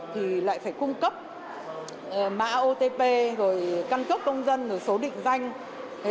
thì lại phải cung cấp mã otp rồi căn cước công dân rồi số định danh